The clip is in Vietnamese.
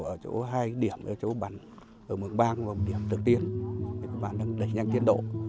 ở chỗ hai điểm là chỗ bàn ở mường bang và một điểm tự tiên để bàn đẩy nhanh tiến độ